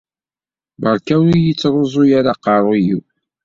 Beṛka ur yi-ttṛuẓu ara aqeṛṛuy-iw.